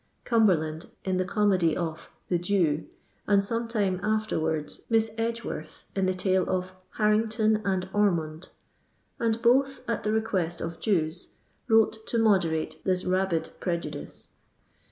Cumberland, in the comedy of " The Jevr" and some time afterwards Hiss Edgeworth, in the tale of " Harrington and Or mond," and both at the request of Jews, wrote to moderate this rabid prejudice.